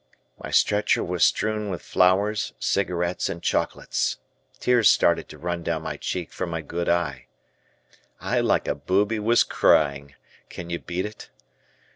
My stretcher was strewn with flowers, cigarettes, and chocolates. Tears started to run down my cheek from my good eye. I like a booby was crying, can you beat it?